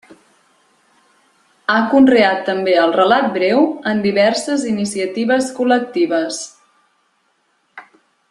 Ha conreat també el relat breu en diverses iniciatives col·lectives.